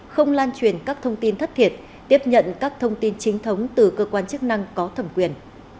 không lan truyền các thông tin thất thiệt tiếp nhận các thông tin chính thống từ cơ quan chức năng có thẩm quyền